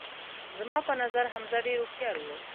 زما په نظر حمزه ډیر هوښیار وو